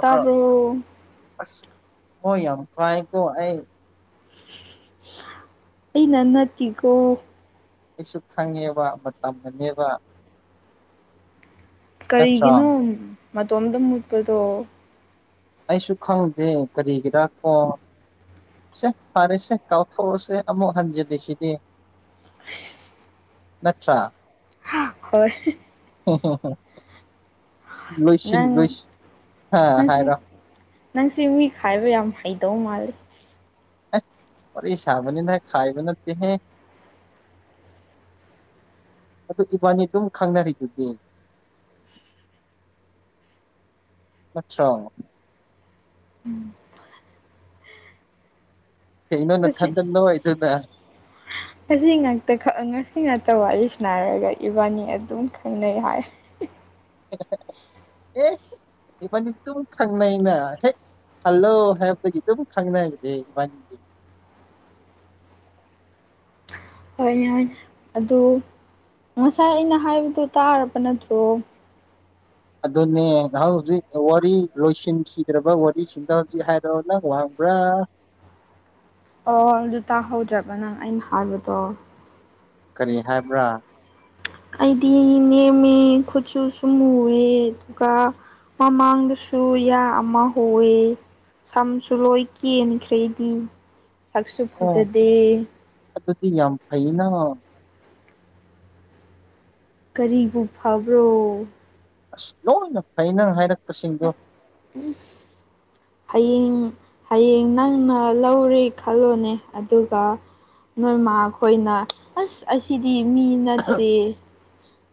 ꯇꯥꯕ꯭ꯔꯣ ꯑꯁꯣ ꯊꯃꯣꯏ ꯌꯥꯝ ꯀꯥꯏꯀꯣ ꯑꯩ ꯑꯩꯅ ꯅꯠꯇꯤꯀꯦ ꯑꯩꯁꯨ ꯈꯪꯉꯦꯕ ꯃꯇꯝꯅꯥꯅꯦꯕ ꯅꯠꯇ꯭ꯔꯣ ꯀꯔꯤꯒꯤꯅꯣ ꯃꯇꯣꯝꯇ ꯃꯨꯠꯄꯗꯣ ꯑꯩꯁꯨ ꯈꯪꯗꯦ ꯀꯔꯤꯒꯤꯔꯥ ꯀꯣ ꯁꯦ ꯐꯔꯦꯁꯦ ꯀꯥꯎꯊꯣꯛꯎꯁꯦ ꯑꯃꯨꯛ ꯍꯟꯖꯤꯜꯂꯤꯁꯤꯗꯤ ꯅꯥꯠꯇꯔꯥ ꯍꯣꯏ ꯑꯣ ꯍꯣ ꯍ ꯂꯣꯏꯁꯤꯟ ꯅꯪ ꯂꯣꯏꯁꯤ ꯅꯪꯁꯤ ꯍꯥꯏꯔꯣ ꯅꯪꯁꯤ ꯃꯤ ꯈꯥꯏꯕ ꯌꯥꯝ ꯍꯩꯗꯧ ꯃꯥꯜꯂꯤ ꯑꯦ ꯋꯥꯔꯤ ꯁꯥꯕꯅꯤꯗ ꯈꯥꯏꯕ ꯅꯥꯠꯇꯦꯍꯦ ꯑꯗꯨ ꯏꯕꯥꯅꯤ ꯑꯗꯨꯝ ꯈꯪꯅꯔꯤꯗꯨꯗꯤ ꯅꯠꯇꯔꯥ ꯀꯩꯅꯣ ꯉꯁꯤ ꯅꯊꯟꯗ ꯅꯣꯏꯗꯨꯅ ꯉꯁꯤ ꯉꯇ ꯉꯁꯤ ꯉꯥꯛꯇ ꯋꯥꯔꯤ ꯁꯅꯔꯒ ꯏꯕꯥꯅꯤ ꯑꯗꯨꯝ ꯈꯪꯅꯩ ꯍꯥꯏ ꯑꯦ ꯏꯕꯥꯅꯤ ꯑꯗꯨꯝ ꯈꯪꯅꯩꯅ ꯍꯦꯛ ꯍꯜꯂꯣ ꯍꯥꯏꯕꯗꯒꯤ ꯑꯗꯨꯝ ꯈꯪꯅꯔꯦ ꯏꯕꯥꯅꯤ ꯍꯣꯏ ꯍꯣꯏ ꯑꯗꯨ ꯉꯁꯥꯏ ꯑꯩꯅ ꯍꯥꯏꯕꯗꯨ ꯇꯥꯔꯕ ꯅꯠꯇ꯭ꯔꯣ ꯑꯗꯨꯅꯦ ꯅꯍꯥꯛ ꯍꯧꯖꯤꯛ ꯋꯥꯔꯤ ꯂꯣꯏꯁꯤꯟꯈꯤꯗ꯭ꯔꯕ ꯋꯥꯔꯤꯁꯤꯡꯗ ꯍꯧꯖꯤꯛ ꯍꯥꯏꯔꯣ ꯅꯪ ꯋꯥꯍꯪꯕ꯭ꯔꯥ ꯑꯣ ꯑꯗꯨ ꯇꯥꯍꯧꯗ꯭ꯔꯕ ꯅꯪ ꯑꯩꯅ ꯍꯥꯏꯕꯗꯣ ꯀꯔꯤ ꯍꯥꯏꯕ꯭ꯔꯥ ꯑꯩꯗꯤ ꯅꯦꯝꯃꯦ ꯈꯨꯠꯁꯨꯁꯨ ꯃꯨꯋꯦ ꯑꯗꯨꯒ ꯃꯃꯥꯡꯗꯁꯨ ꯌꯥ ꯑꯃ ꯍꯣꯌꯦ ꯁꯝꯁꯨ ꯂꯣꯏ ꯀꯦꯟꯈ꯭ꯔ‌ꯦ ꯑꯩꯗꯤ ꯁꯛꯁꯨ ꯑꯣ ꯐꯖꯗꯦ ꯑꯗꯨꯗꯤ ꯌꯥꯝ ꯐꯩꯅ ꯀꯔꯤꯕꯨ ꯐꯕ꯭ꯔꯣ ꯑꯁ ꯂꯣꯏꯅ ꯐꯩꯅ ꯍꯥꯏꯔꯛꯄꯁꯤꯡꯗꯣ ꯏꯁ ꯍꯌꯦꯡ ꯍꯌꯦꯡ ꯅꯪꯅ ꯂꯧꯔꯦ ꯈꯜꯂꯣꯅꯦ ꯑꯗꯨꯒ ꯅꯣꯏꯃꯥ ꯈꯣꯏꯅ ꯑꯁ ꯑꯁꯤꯗꯤ ꯃꯤ ꯅꯠꯇꯦ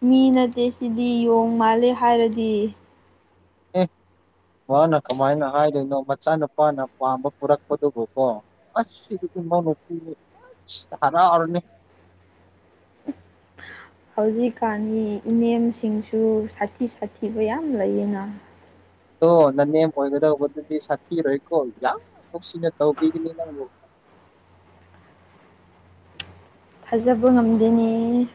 ꯃꯤ ꯅꯠꯇꯦ ꯁꯤꯗꯤ ꯌꯣꯡ ꯃꯥꯜꯂꯦ ꯍꯥꯏꯔꯗꯤ ꯑꯦ ꯃꯥꯅ ꯀꯃꯥꯏꯅ ꯍꯥꯏꯗꯣꯏꯅꯣ ꯃꯆꯥꯅꯨꯄꯥꯅ ꯄꯥꯝꯕ ꯄꯨꯔꯛꯄꯗꯨꯕꯨ ꯀꯣ ꯑꯁ ꯁꯤꯗꯤ ꯏꯃꯥꯅ ꯁꯤꯗꯤ ꯑꯁ ꯍꯔꯥꯎꯔꯅꯤ ꯍꯧꯖꯤꯛꯀꯥꯟꯒꯤ ꯏꯅꯦꯝꯁꯤꯡꯁꯨ ꯁꯥꯊꯤ ꯁꯥꯊꯤꯕ ꯌꯥꯝ ꯂꯩꯌꯦꯅ ꯑꯗꯣ ꯅꯅꯦꯝ ꯑꯣꯏꯒꯗꯧꯕꯗꯨꯗꯤ ꯁꯥꯊꯤꯔꯣꯏꯀꯣ ꯌꯥꯝ ꯅꯨꯡꯁꯤꯅ ꯇꯧꯕꯤꯒꯅꯤ ꯅꯪꯕꯨ ꯊꯖꯕ ꯉꯝꯗ‌ꯦꯅ‌ꯦ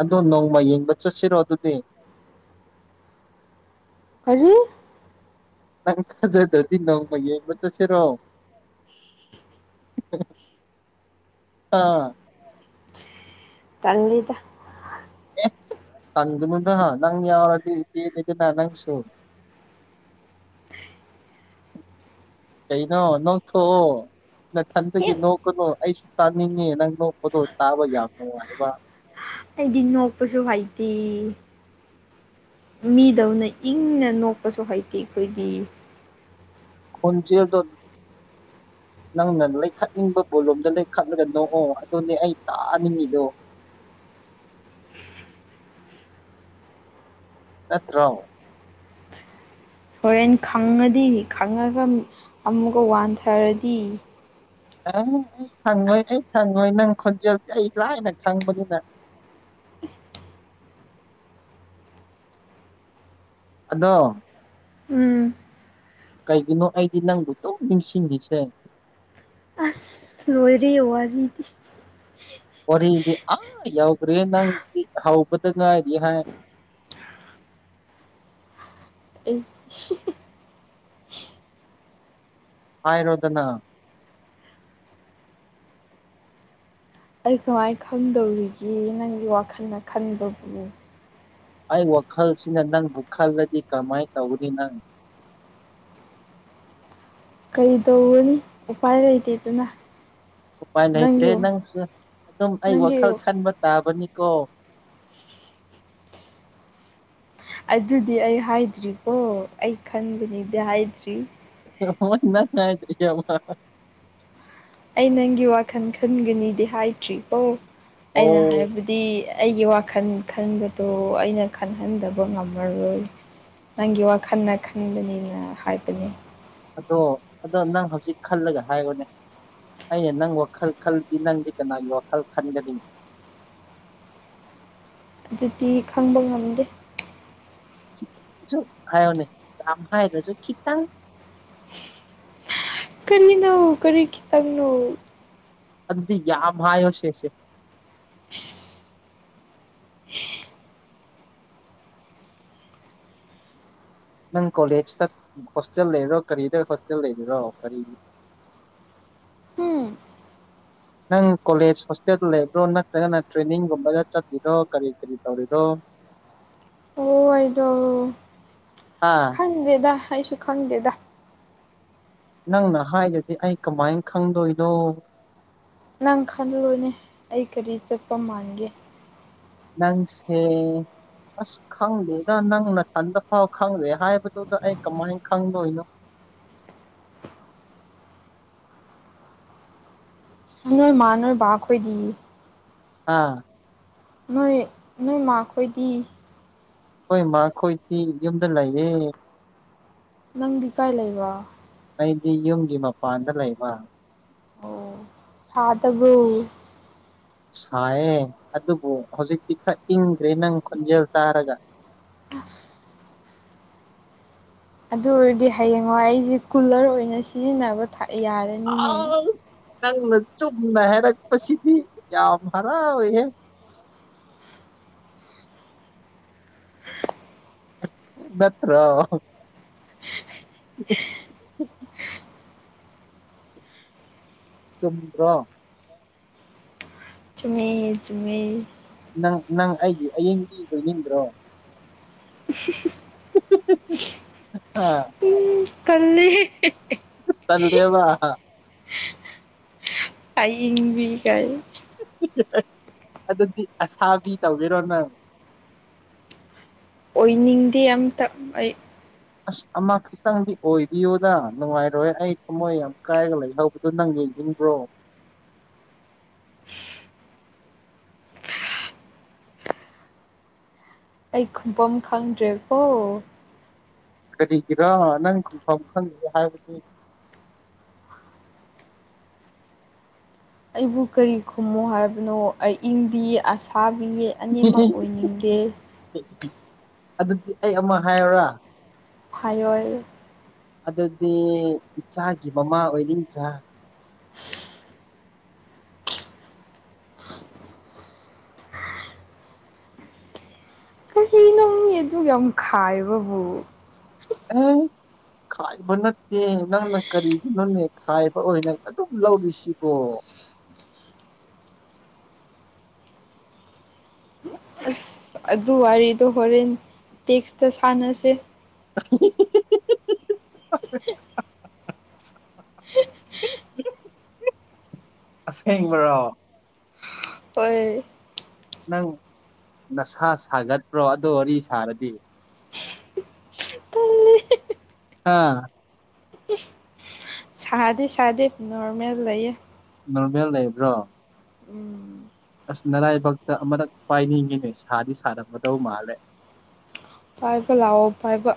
ꯑꯗꯣ ꯅꯣꯡꯃ ꯌꯦꯡꯕ ꯆꯠꯁꯤꯔꯣ ꯑꯗꯨꯗꯤ ꯀꯔꯤ ꯅꯪ ꯊꯖꯗ꯭ꯔꯥꯗꯤ ꯅꯣꯡꯃ ꯌꯦꯡꯕ ꯆꯠꯁꯤꯔꯣ [inaudible] ꯑꯥ ꯇꯟꯅꯤꯗ ꯑ‌ꯦꯍ ꯇꯟꯒꯅꯨꯗ ꯅꯪ ꯌꯥꯎꯔꯗꯤ ꯄꯦꯜꯂ‌ꯦꯗꯅ ꯅꯪꯁꯨ ꯀꯩꯅꯣ ꯅꯣꯛꯊꯣꯛꯑꯣ ꯅꯊꯟꯗꯒꯤ ꯍꯦꯛ ꯅꯣꯛꯀꯅꯨ ꯑꯩꯁꯨ ꯇꯥꯅꯤꯡꯉꯦ ꯅꯪ ꯅꯣꯛꯄꯗ‌ꯣ ꯇꯥꯕ ꯌꯥꯝ ꯅꯨꯡꯉꯥꯏꯕ ꯑꯩꯗꯤ ꯅꯣꯛꯄꯁꯨ ꯍꯩꯇꯦ ꯃꯤꯗꯧꯅ ꯏꯪꯅ ꯅꯣꯛꯄꯁꯨ ꯍꯩꯇꯦ ꯑꯩꯈꯣꯏꯗꯤ ꯈꯣꯟꯖ‌ꯦꯜꯗ‌ꯣ [inaudible] ꯅꯪꯅ ꯂꯩꯈꯠꯅꯤꯡꯕ ꯕꯣꯂꯨꯝꯗ ꯂꯩꯈꯠꯂꯒ ꯅꯣꯛꯑꯣ ꯑꯗꯨꯅꯦ ꯑꯩ ꯇꯥꯅꯤꯡꯉꯤꯗꯣ ꯅꯠꯇ꯭ꯔꯣ ꯍꯣꯔꯦꯟ ꯈꯪꯉꯗꯤ ꯈꯪꯉꯒ ꯑꯃꯨꯛ ꯑꯃꯨꯛꯀ ꯋꯥꯟꯊꯔꯗꯤ ꯑꯦ ꯑꯩ ꯈꯪꯉꯣꯏ ꯑꯩ ꯈꯪꯉꯣꯏ ꯅꯪ ꯈꯣꯟꯖꯦꯜꯁꯦ ꯑꯩ ꯂꯥꯏꯅ ꯈꯪꯕꯅꯤꯅ ꯏꯁ ꯑꯗꯣ ꯎꯝ ꯀꯩꯒꯤꯅꯣ ꯑꯩꯗꯤ ꯅꯪꯕꯨ ꯗꯨꯝ ꯅꯤꯡꯁꯤꯡꯔꯤꯁꯦ ꯑꯁ ꯂꯣꯏꯔ‌ꯦ ꯋꯥꯔꯤꯗꯤ ꯋꯥꯔꯤꯗꯤ ꯑꯝ ꯌꯎꯗ꯭ꯔꯦꯍ‌ꯦ ꯅꯪꯗꯤ ꯍꯧꯕꯗ ꯉꯥꯏꯔꯤ ꯍꯥꯏ ꯏꯁ [inaudible] ꯍꯥꯏꯔꯣꯗꯅ ꯑꯩ ꯀꯃꯥꯏ ꯈꯪꯗꯧꯔꯤꯒꯦ ꯅꯪꯒꯤ ꯋꯥꯈꯜꯅ ꯈꯟꯕꯕꯨ ꯑꯩ ꯋꯥꯈꯜꯁꯤꯅ ꯅꯪꯕꯨ ꯈꯜꯂꯗꯤ ꯀꯃꯥꯏꯅ ꯇꯧꯒꯅꯤ ꯅꯪ ꯀꯩꯗꯧꯔꯨꯅꯤ ꯎꯄꯥꯏ ꯂꯩꯇꯦꯗꯅ ꯎꯄꯥꯏ ꯅꯪꯒꯤ ꯂꯩꯇ꯭ꯔꯦ ꯅꯪꯁꯨ ꯑꯗꯨꯝ ꯑꯩ ꯅꯪꯒꯤ ꯋꯥꯈꯜ ꯈꯟꯕ ꯇꯥꯕꯅꯤꯀꯣ ꯑꯗꯨꯗꯤ ꯑꯩ ꯍꯥꯏꯗ꯭ꯔꯤꯀꯣ ꯑꯩ ꯈꯟꯕꯅꯤꯗꯤ ꯍꯥꯏꯗ꯭ꯔꯤ ꯅꯪ ꯍꯥꯏꯗ꯭ꯔꯤꯌ‌ꯦꯕ ꯑꯩ ꯅꯪꯒꯤ ꯋꯥꯈꯜ ꯈꯟꯒꯅꯤꯗꯤ ꯍꯥꯏꯗ꯭ꯔꯤ ꯀꯣ ꯑꯣ ꯑꯩꯅ ꯍꯥꯏꯕ ꯗꯤ ꯑꯩꯒꯤ ꯋꯥꯈꯜ ꯈꯟꯕꯗꯣ ꯑꯩꯅ ꯈꯟꯍꯟꯗꯕ ꯉꯝꯃꯔꯣꯏ꯫ ꯅꯪꯒꯤ ꯋꯥꯈꯜꯅ ꯈꯟꯕꯅꯤꯅ ꯍꯥꯏꯕꯅꯦ꯫ ꯑꯗꯣ ꯑꯗꯣ ꯅꯪ ꯍꯧꯖꯤꯛ ꯈꯜꯂꯒ ꯍꯥꯏꯑꯣꯅꯦ꯫ ꯑꯩꯅ ꯅꯪ ꯋꯥꯈꯜ ꯈꯜꯗꯤ ꯅꯪꯗꯤ ꯀꯅꯥꯒꯤ ꯋꯥꯈꯜ ꯈꯟꯒꯅꯤ꯫ ꯑꯗꯨꯗꯤ ꯈꯪꯕ ꯉꯝꯗꯦ꯫ ꯁꯨꯛ ꯁꯨꯛ ꯍꯥꯏꯑꯣꯅꯦ ꯂꯝ ꯍꯥꯏꯗ꯭ꯔꯁꯨ ꯈꯤꯇꯪ꯫ ꯀꯔꯤꯅꯣ ꯀꯔꯤ ꯈꯤꯇꯪꯅꯣ꯫ ꯑꯗꯨꯗꯤ ꯌꯥꯝ ꯍꯥꯏꯌꯣ ꯁꯦꯁꯦ꯫ ꯅꯪ ꯀꯣꯂꯦꯖꯇ ꯍꯣꯁꯇꯦꯜ ꯂꯩꯔꯤꯔꯣ ꯀꯔꯤꯗ ꯍꯣꯁꯇꯦꯜ ꯂꯩꯔꯤꯔꯣ ꯀꯔꯤ ꯎꯝ ꯅꯪ ꯀꯣꯂꯦꯖ ꯍꯣꯁꯇꯦꯜꯗ ꯂꯩꯕ꯭ꯔꯣ ꯅꯠꯇ꯭ꯔꯒ ꯅꯪ ꯇ꯭ꯔꯦꯟꯅꯤꯡꯒꯨꯝꯕꯗ ꯆꯠꯂꯤꯔꯣ ꯀꯔꯤ-ꯀꯔꯤ ꯇꯧꯔꯤꯔꯣ꯫ ꯑꯣ ꯑꯩꯗꯣ꯫ ꯑꯥ꯫ ꯈꯪꯗꯦꯗ ꯑꯩꯁꯨ ꯈꯪꯗꯦꯗ꯫ ꯅꯪꯅ ꯍꯥꯏꯗ꯭ꯔꯗꯤ ꯑꯩ ꯀꯃꯥꯏꯅ ꯈꯪꯗꯣꯏꯅꯣ꯫ ꯅꯪ ꯈꯜꯂꯨꯅꯦ ꯑꯩ ꯀꯔꯤ ꯆꯠꯄ ꯃꯥꯟꯒꯦ꯫ ꯅꯪꯁꯦ ꯑꯁ ꯈꯪꯗꯦꯗ ꯅꯪ ꯅꯊꯟꯗ ꯐꯥꯎ ꯈꯪꯗꯦ ꯍꯥꯏꯕꯗꯨꯗ ꯑꯩ ꯀꯃꯥꯏꯅ ꯈꯪꯗꯣꯏꯅꯣ꯫ ꯅꯣꯏ ꯃꯥ ꯅꯣꯏ ꯕꯥ ꯈꯣꯏꯗꯤ꯫ ꯍꯥ꯫ ꯅꯣꯏ ꯅꯣꯏꯃꯥꯈꯣꯏꯗꯤ꯫ ꯍꯣꯏ ꯃꯥꯈꯣꯏꯗꯤ ꯌꯨꯝꯗ ꯂꯩꯌꯦ꯫ ꯅꯪꯗꯤ ꯀꯥꯏ ꯂꯩꯕ꯫ ꯑꯩꯗꯤ ꯌꯨꯝꯒꯤ ꯃꯄꯥꯟꯗ ꯂꯩꯕ꯫ ꯑꯣ ꯁꯥꯗꯕ꯭ꯔꯣ꯫ ꯁꯥꯏꯌꯦ ꯑꯗꯨꯕꯨ ꯍꯧꯖꯤꯛꯇꯤ ꯈꯔ ꯏꯪꯈ꯭ꯔꯦ ꯅꯪ ꯈꯣꯟꯖꯦꯜ ꯇꯥꯔꯒ꯫ ꯑꯗꯨ ꯑꯣꯏꯔꯗꯤ ꯍꯌꯦꯡꯋꯥꯏ ꯑꯩꯁꯦ ꯀꯨꯂꯔ ꯑꯣꯏꯅ ꯁꯤꯖꯤꯟꯅꯕ ꯊꯥꯛ ꯌꯥꯔꯦ꯫ ꯑꯥꯁ ꯅꯪꯅ ꯆꯨꯝꯅ ꯍꯥꯏꯔꯛꯄꯁꯤꯗꯤ ꯌꯥꯝ ꯍꯔꯥꯎꯋꯦꯍꯦ꯫ ꯅꯠꯇ꯭ꯔꯣ꯫ [inaudible] ꯆꯨꯝꯗ꯭ꯔꯣ꯫ ꯃꯦ ꯆꯨꯝꯃꯦ꯫ ꯅꯪ ꯅꯪ ꯑꯩꯒꯤ ꯑꯌꯤꯡꯗꯤ ꯑꯣꯏꯅꯤꯡꯗ꯭ꯔꯣ꯫ [inaudible] ꯍꯥ꯫ ꯇꯜꯂꯤꯍꯦ ꯍꯦꯍꯦ꯫ ꯇꯟꯗꯦꯕ꯫ ꯑꯏꯤꯡꯕꯤ ꯀꯥꯏꯅ꯫ [unintelligible] ꯑꯗꯨꯗꯤ ꯑꯁꯥꯕꯤ ꯇꯧꯒꯦꯔꯣ ꯅꯪ꯫ ꯑꯣꯏꯅꯤꯡꯗꯦ ꯑꯝꯇ ꯑꯩ꯫ ꯑꯁ ꯑꯃ ꯈ ꯈꯤꯇꯪꯗꯤ ꯑꯣꯏꯕꯤꯌꯨꯗ ꯅꯨꯡꯉꯥꯏꯔꯣꯏꯍꯧ ꯑꯩ ꯊꯃꯣꯏ ꯌꯥꯝ ꯀꯥꯏꯔꯒ ꯂꯩꯍꯧꯕꯗꯣ ꯅꯪ ꯌꯦꯡꯅꯤꯡꯕ꯭ꯔꯣ꯫ ꯑꯩ ꯈꯨꯐꯝꯝ ꯈꯪꯗ꯭ꯔꯦꯀꯣ꯫ ꯀꯔꯤꯒꯤꯔꯣ ꯅꯪ ꯈꯪꯐꯝ ꯈꯪꯗꯦ ꯍꯥꯏꯕꯗꯤ꯫ ꯑꯩꯕꯨ ꯀꯔꯤ ꯈꯨꯝꯃꯣ ꯍꯥꯏꯕꯅꯣ ꯑꯏꯪꯕꯤ ꯑꯁꯥꯕꯤ꯫ ꯑꯅꯤꯃꯛ ꯑꯣꯏꯅꯤꯡꯗꯦ ꯑꯗꯨꯗꯤ ꯑꯩ ꯑꯃ ꯍꯥꯏꯌꯣꯔꯥ ꯍꯥꯏꯌꯣꯏ ꯑꯗꯨꯗꯤ ꯏꯆꯥꯒꯤ ꯃꯃꯥ ꯑꯣꯏꯅꯤꯡꯗ꯭ꯔꯥ ꯀꯔꯤꯅꯣ ꯃꯤ ꯑꯗꯨꯛ ꯌꯥꯝ ꯈꯥꯏꯕꯕꯨ ꯎꯝ ꯈꯥꯏꯕ ꯅꯠꯇꯦ ꯅꯪꯅ ꯀꯔꯤꯒꯤꯅꯣꯅꯦ ꯈꯥꯏꯕ ꯑꯣꯏꯅ ꯑꯗꯨꯝ ꯂꯧꯔꯤꯁꯤꯕꯣ ꯑꯁ ꯑꯗꯨ ꯋꯥꯔꯤꯗꯣ ꯍꯣꯔꯦꯟ ꯇꯦꯛꯁꯇ ꯁꯥꯟꯅꯁꯦ [unintelligible] ꯑꯁꯦꯡꯕꯔꯣ ꯍꯣꯏ ꯅꯪ ꯅꯁꯥ ꯁꯥꯒꯠꯇ꯭ꯔꯣ ꯑꯗꯣ ꯋꯥꯔꯤ ꯁꯥꯔꯗꯤ ꯇꯜꯂꯤ ꯑꯥ ꯁꯥꯗꯦ ꯁꯥꯗꯦ ꯅꯣꯔꯃꯦꯜ ꯂꯩꯌꯦ ꯅꯣꯔꯃꯦꯜ ꯂꯩꯕ꯭ꯔꯣ ꯎꯝ ꯑꯁ ꯅꯔꯥꯏꯕꯛꯇ ꯑꯃꯔꯛ ꯄꯥꯏꯅꯤꯡꯉꯦ ꯁꯥꯗꯤ ꯁꯥꯔꯝꯒꯗꯧ ꯃꯥꯜꯂꯦ ꯄꯥꯏꯕ ꯂꯥꯛꯑꯣ ꯄꯥꯏꯕ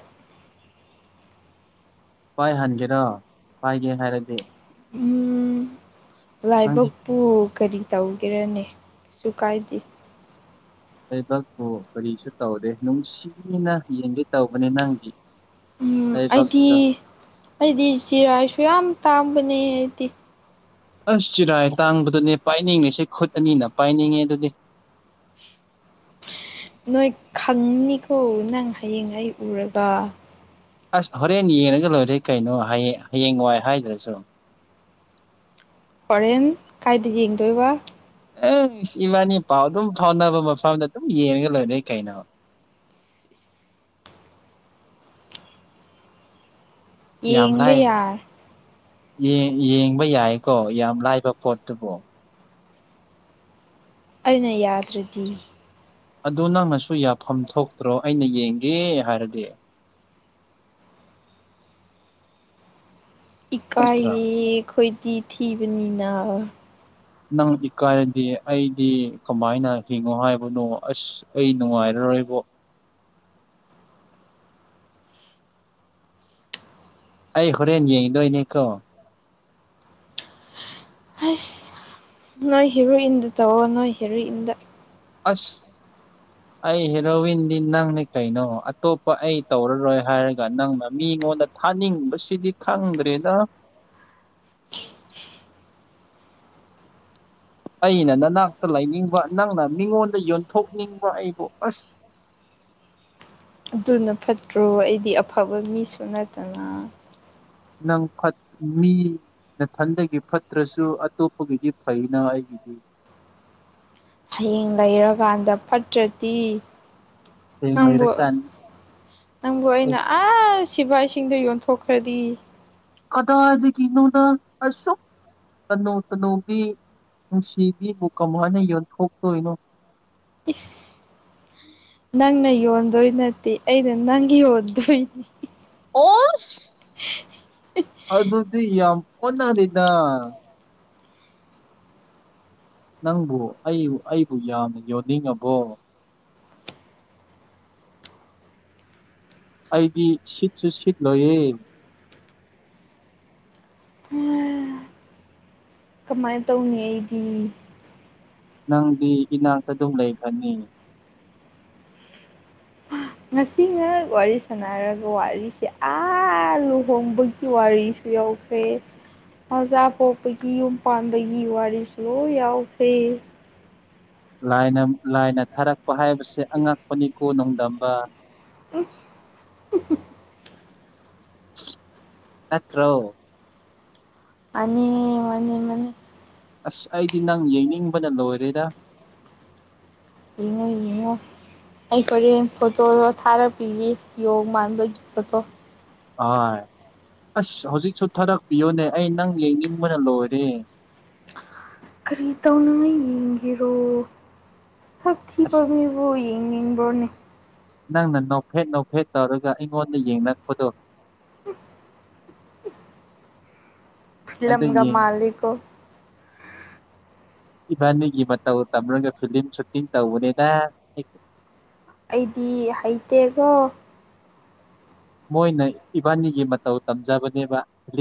ꯄꯥꯏ ꯍꯟꯒꯦꯔꯣ ꯄꯥꯏꯒꯦ ꯍꯥꯏꯔꯗꯤ ꯎꯝ ꯅꯪꯗꯤ ꯂꯥꯏꯕꯛꯄꯨ ꯀꯔꯤ ꯇꯧꯒꯦꯔꯅꯤ ꯀꯩꯁꯨ ꯀꯥꯏꯗꯦ ꯂꯩꯕꯄꯨ ꯀꯔꯤꯁꯨ ꯇꯧꯗꯦ ꯅꯨꯡꯁꯤꯅ ꯌꯦꯡꯒꯦ ꯇꯧꯕꯅꯦ ꯅꯪꯒꯤ ꯎꯝ ꯑꯩꯗꯤ ꯂꯩꯕꯛꯇꯣ ꯑꯩꯗꯤ ꯆꯖꯤꯔꯥꯏꯁꯨ ꯌꯥꯝ ꯇꯥꯡꯕꯅꯦ ꯑꯩꯗꯤ ꯑꯁ ꯆꯤꯔꯥꯏ ꯇꯥꯡꯕꯗꯨꯅꯦ ꯄꯥꯏꯅꯤꯡꯂꯤꯁꯦ ꯈꯨꯠ ꯑꯅꯤꯅ ꯄꯥꯏꯅꯤꯡꯉꯦ ꯑꯗꯨꯗꯤ ꯅꯣꯏ ꯈꯪꯅꯤꯀꯣ ꯅꯪ ꯍꯌꯦꯡ ꯑꯩ ꯎꯔꯒ ꯑꯁ ꯍꯣꯔꯦꯟ ꯌꯦꯡꯔꯒ ꯂꯣꯏꯔꯦ ꯀꯩꯅꯣꯌꯦ ꯍꯌꯦ ꯍꯌꯦꯡ ꯋꯥꯏ ꯍꯥꯏꯗ꯭ꯔꯁꯨ ꯍꯣꯔꯦꯟ ꯀꯥꯏꯗ ꯌꯦꯡꯗꯣꯏꯕ ꯑꯦꯁ ꯏꯕꯥꯅꯤ ꯄꯥꯎ ꯑꯗꯨꯝ ꯐꯥꯎꯅꯕ ꯃꯐꯝꯗ ꯑꯗꯨꯝ ꯌꯦꯡꯔꯒ ꯂꯣꯏꯔꯦ ꯀꯩꯅꯣ ꯌꯥꯝ ꯌꯦꯡꯕ ꯂꯥꯏ ꯌꯥꯔꯦ ꯌꯦ ꯌꯦꯡꯕ ꯌꯥꯏꯀꯣ ꯌꯥꯝ ꯂꯥꯏꯕ ꯄꯣꯠꯇꯨꯕꯨ ꯑꯩꯅ ꯌꯥꯗ꯭ꯔꯗꯤ ꯑꯗꯨ ꯅꯪꯅꯁꯨ ꯌꯥꯐꯝ ꯊꯣꯛꯇ꯭ꯔꯣ ꯑꯩꯅ ꯌꯦꯡꯒꯦ ꯍꯥꯏꯔꯗꯤ ꯅꯠꯇ꯭ꯔꯥ ꯏꯀꯥꯏꯌꯦ ꯑꯈꯣꯏꯗꯤ ꯊꯤꯕꯅꯤꯅ ꯅꯪ ꯏꯀꯥꯏꯔꯗꯤ ꯑꯩꯗꯤ ꯀꯃꯥꯏꯅ ꯍꯤꯡꯉꯣ ꯍꯥꯏꯕꯅꯣ ꯑꯁ ꯑꯩ ꯅꯨꯡꯉꯥꯏꯔꯔꯣꯏꯕꯣ ꯑꯩ ꯍꯣꯔꯦꯟ ꯌꯦꯡꯗꯣꯏꯅꯦꯀꯣ ꯑꯁ ꯅꯣꯏ ꯍꯦꯔꯨꯏꯟꯗ ꯇꯧꯋꯣ ꯅꯣꯏ ꯍꯦꯔꯨꯏꯟꯗ ꯑꯁ ꯑꯩ ꯍꯦꯔꯣꯋꯤꯟꯗꯤ ꯅꯪꯅꯦ ꯀꯩꯅꯣ ꯑꯇꯣꯞꯄ ꯑꯩ ꯇꯧꯔꯔꯣꯏ ꯍꯥꯏꯔꯒ ꯅꯪꯅ ꯃꯤꯉꯣꯟꯗ ꯊꯥꯅꯤꯡꯕꯁꯤꯗꯤ ꯈꯪꯗ꯭ꯔꯦꯗ ꯑꯩꯅ ꯅꯅꯥꯛꯇ ꯂꯩꯅꯤꯡꯕ ꯅꯪꯅ ꯃꯤꯉꯣꯟꯗ ꯌꯣꯟꯊꯣꯛꯅꯤꯡꯕ ꯑꯩꯕꯨ ꯑꯁ ꯑꯗꯨꯅ ꯐꯠꯇ꯭ꯔꯣ ꯑꯩꯗꯤ ꯑꯐꯕ ꯃꯤꯁꯨ ꯅꯠꯇꯅ ꯅꯪ ꯐꯠ ꯃꯤ ꯅꯊꯟꯗꯒꯤ ꯐꯠꯇ꯭ꯔꯁꯨ ꯑꯇꯣꯞꯄꯒꯤꯗꯤ ꯐꯩꯅ ꯑꯩꯒꯤꯗꯤ ꯍꯌꯦꯡ ꯂꯩꯔꯀꯥꯟꯗ ꯐꯠꯇ꯭ꯔꯇꯤ ꯍꯌꯦꯡ ꯂꯩꯔꯀꯥꯟ ꯅꯪꯕꯨ ꯑꯩꯅ ꯑꯁ ꯁꯤꯐꯏꯁꯤꯡꯗ ꯌꯣꯟꯊꯣꯛꯈ꯭ꯔꯗꯤ ꯀꯗꯥꯏꯗꯒꯤꯅꯣꯗ ꯑꯁꯨꯛ ꯇꯅꯧ ꯇꯅꯧꯕꯤ ꯅꯨꯡꯁꯤꯕꯤꯕꯨ ꯀꯃꯥꯏꯅ ꯌꯣꯟꯊꯣꯛꯇꯣꯏꯅꯣ꯫ ꯏꯁ ꯅꯪꯅ ꯌꯣꯟꯗꯣꯏ ꯅꯠꯇꯦ ꯑꯩꯩꯅ ꯅꯪ ꯌꯣꯟꯗꯣꯏꯅꯤ꯫ ꯑꯣꯁ ꯑꯗꯨꯗꯤ ꯌꯥꯝ ꯑꯣꯟꯅꯅꯤꯗ꯫ ꯅꯪꯕꯨ ꯑꯩꯕꯨ ꯑꯩꯕꯨ ꯌꯥꯝꯅ ꯌꯣꯟꯅꯤꯡꯉꯕꯣ꯫ ꯑꯩꯗꯤ ꯁꯤꯠꯁꯨ ꯁꯤꯠ ꯂꯣꯏꯌꯦ꯫ ꯀꯃꯥꯏ ꯇꯧꯅꯤ ꯑꯩꯗꯤ꯫ ꯅꯪꯗꯤ ꯏꯅꯥꯛꯇ ꯑꯗꯨꯝ ꯂꯩꯒꯅꯤ꯫ ꯉꯁꯤ ꯉꯛ ꯋꯥꯔꯤ ꯁꯥꯟꯅꯔꯒ ꯋꯥꯔꯤꯁꯦ ꯑꯥ ꯂꯨꯍꯣꯡꯕꯒꯤ ꯋꯥꯔꯤꯁꯨ ꯌꯧ ꯃꯖꯥ ꯄꯣꯛꯄꯒꯤ ꯌꯨꯝ ꯄꯥꯟꯕꯒꯤ ꯋꯥꯔꯤꯁꯨ ꯌꯥꯎꯈ꯭ꯔꯦ꯫ ꯂꯥꯏꯅ ꯊꯥꯔꯛꯄ ꯍꯥꯏꯕꯁꯦ ꯑꯉꯛꯄꯅꯤꯀꯣ ꯅꯣꯡꯗꯝꯕ꯫ [unintelligible] ꯅꯠꯇ꯭ꯔꯣ꯫ ꯃꯥꯅꯤ ꯃꯥꯅꯤ ꯃꯥꯅꯤ꯫ ꯑꯁ ꯑꯩꯗꯤ ꯅꯪ ꯌꯦꯡꯅꯤꯡꯕꯅ ꯂꯣꯏꯔꯦꯗ꯫ ꯌꯦꯡꯉꯣ ꯌꯦꯡꯉꯣ꯫ ꯑꯩ ꯍꯣꯔꯦꯟ ꯐꯣꯇꯣꯗꯣ ꯊꯥꯔꯛꯄꯤꯒꯦ ꯌꯣꯡ ꯃꯥꯟꯕꯒꯤ ꯐꯣꯇꯣ꯫ ꯑꯁ ꯍꯧꯖꯤꯛꯁꯨ ꯊꯥꯔꯛꯄꯤꯌꯨꯅꯦ ꯑꯩ ꯅꯪ ꯌꯦꯡꯅꯤꯡꯕꯅ ꯂꯣꯏꯔꯦ꯫ ꯀꯔꯤ ꯇꯧꯅꯤꯡꯉꯥꯏ ꯌꯦꯡꯒꯦꯔꯣ ꯁꯛ ꯊꯤꯕ ꯑꯁ [unintelligible] ꯕꯨ ꯌꯦꯡꯅꯤꯡꯕ꯭ꯔꯣꯅꯦ꯫ ꯅꯪꯅ ꯅꯣꯛꯐꯦꯠ ꯅꯣꯛꯐꯦꯠ ꯇꯧꯔꯒ ꯑꯩꯉꯣꯟꯗ ꯌꯦꯡꯉꯛꯄꯗꯣ꯫ ꯑꯗꯨ ꯐꯤꯂꯝꯒ ꯌꯦꯡ ꯃꯥꯜꯂꯤꯀꯣ꯫ ꯏꯕꯥꯅꯤꯒꯤ ꯃꯇꯧ ꯇꯝꯂꯒ ꯐꯤꯂꯝ ꯁꯨꯇꯤꯡ ꯇꯧꯕꯅꯤꯗ꯫ ꯑꯩꯗꯤ ꯍꯩꯇꯦꯀꯣ꯫ ꯃꯣꯏꯅ ꯏꯕꯥꯅꯤꯒꯤ ꯃꯇꯧ ꯇꯝꯖꯕꯅꯦꯕ꯫ ꯐꯤꯂꯝ